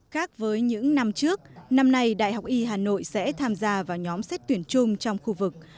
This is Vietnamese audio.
khác với những năm trước năm nay đại học y hà nội sẽ tham gia vào nhóm xét tuyển chung trong khu vực